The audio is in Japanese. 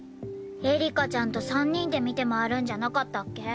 エリカちゃんと３人で見て回るんじゃなかったっけ？